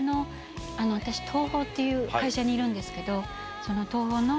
私東宝っていう会社にいるんですけど。